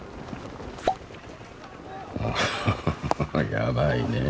やばいねえ。